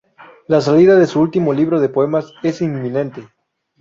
La salida del su último libro de poemas es inminente.